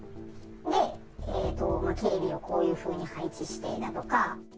で、警備をこういうふうに配置してだとか。